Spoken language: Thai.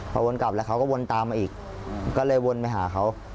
พอวนกลับแล้วเขาก็วนตามมาอีกก็เลยวนไปหาเขา